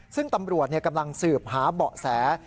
ซึ่งตำรวจกำลังสืบหาเบาะแส